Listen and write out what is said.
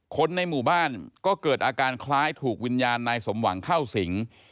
คนในหมู่บ้านก็เกิดอาการคล้ายถูกวิญญาณนายสมหวังเข้าสิง